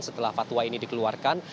setelah fatwa ini dikeluarkan